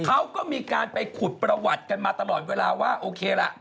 เขาก็มีการไปขุดประวัติกันมาตลอดเวลาว่าโอเคละ